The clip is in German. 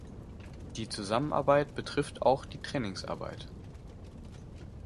Die Zusammenarbeit betrifft auch die Trainingsarbeit.